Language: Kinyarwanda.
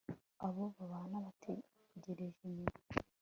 Abo bana bategereje nyina